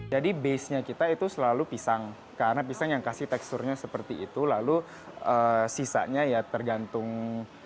jadi basenya kita itu selalu pisang karena pisang yang kasih teksturnya seperti itu lalu sisanya ya tergantung selera